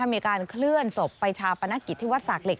มีการเคลื่อนศพไปชาปนกิจที่วัดสากเหล็